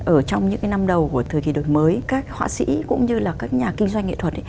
ở trong những cái năm đầu của thời kỳ đổi mới các họa sĩ cũng như là các nhà kinh doanh nghệ thuật